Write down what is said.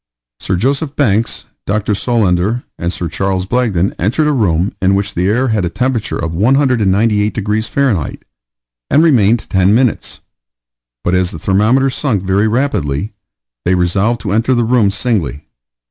Sir Joseph Banks, Dr. Solander, and Sir Charles Blagden entered a room in which the air had a temperature of 198 degrees Fahr., and remained ten minutes; but as the thermometer sunk very rapidly, they resolved to enter the room singly.